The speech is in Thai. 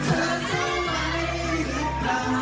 จากประธานสโมงศรอย่างมดรแป้งคุณดนทันร่ำ๓ครับ